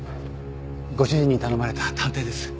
ご主人に頼まれた探偵です。